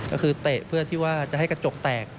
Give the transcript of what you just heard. ก็คือเตะเพื่อที่ว่าจะให้กระจกแตก